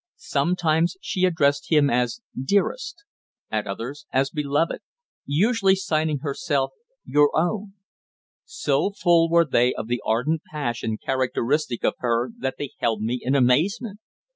Sometimes she addressed him as "Dearest," at others as "Beloved," usually signing herself "Your Own." So full were they of the ardent passion characteristic of her that they held me in amazement.